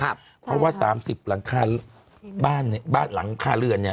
ครับเพราะว่าสามสิบหลังคาบ้านเนี่ยบ้านหลังคาเรือนเนี่ย